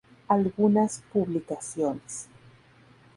Algunas publicaciones